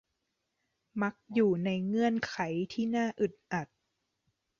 มักอยู่ในเงื่อนไขที่น่าอึดอัด